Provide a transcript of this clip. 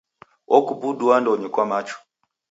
Okubudua andonyi kwa machu.